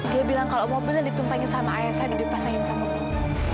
dia bilang kalau mobil yang ditumpangin sama ayah saya udah dipasangin sama punggung